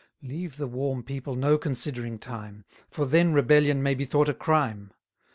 Leave the warm people no considering time: For then rebellion may be thought a crime.